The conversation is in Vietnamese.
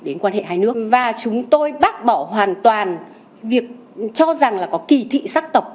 đến quan hệ hai nước và chúng tôi bác bỏ hoàn toàn việc cho rằng là có kỳ thị sắc tộc